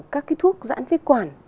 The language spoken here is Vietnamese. các cái thuốc giãn vi quản